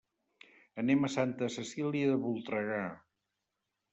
Anem a Santa Cecília de Voltregà.